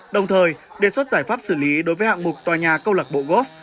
đồng thời đề xuất giải pháp xử lý đối với hạng mục tòa nhà câu lạc bộ góp